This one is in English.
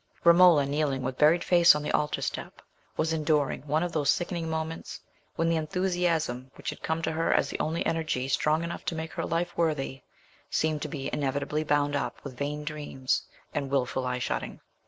Romola, kneeling with buried face on the altar step, was enduring one of those sickening moments, when the enthusiasm which had come to her as the only energy strong enough to make life worthy, seemed to be inevitably bound up with vain dreams and wilful eye shutting.